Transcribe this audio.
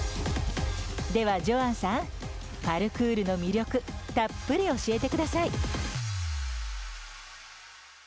ではジョアンさんパルクールの魅力たっぷり教えてください！